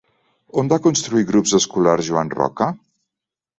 On va construir grups escolars Joan Roca?